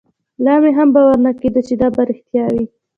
لا مې هم باور نه کېده چې دا به رښتيا وي.